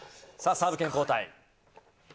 サーブ権、交代。